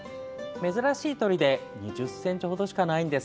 珍しい鳥で２０ｃｍ程しかないんです。